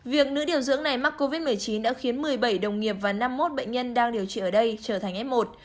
việc nữ điều dưỡng này mắc covid một mươi chín đã khiến một mươi bảy đồng nghiệp và năm mươi một bệnh nhân đang điều trị ở đây trở thành f một